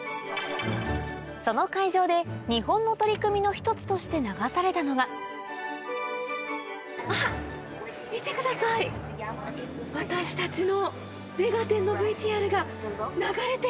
その会場で日本の取り組みの一つとして流されたのが私たちの。